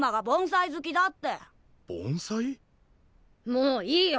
もういいよ！